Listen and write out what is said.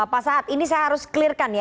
pak saad ini saya harus klirkan ya